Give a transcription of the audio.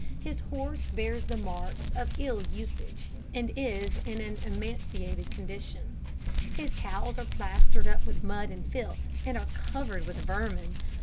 His horse bears the marks of ill usage, and is in an emaciated condition. His cows are plastered up with mud and filth, and are covered with vermin.